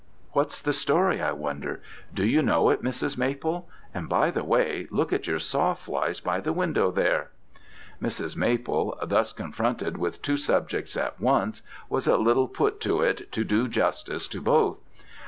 What's the story, I wonder? Do you know it, Mrs. Maple? and, by the way, look at your sawflies by the window there.' "Mrs. Maple, thus confronted with two subjects at once, was a little put to it to do justice to both.